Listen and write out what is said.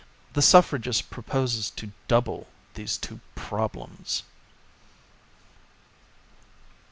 The suffragist proposes to double these two problems.